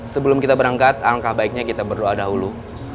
sebelum kita berangkat angka baiknya kita berdoa dahulu